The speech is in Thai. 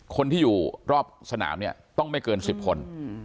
คนที่อยู่รอบสนามเนี่ยต้องไม่เกิน๑๐คน